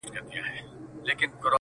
که ژوند راکوې،